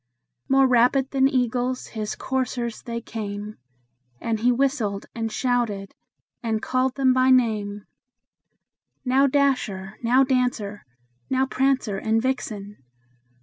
More rapid than eagles his coursers they came, And he whistled, and shouted, and called them by name; "Now, Dasher! now, Dancer! now, Prancer and Vixen!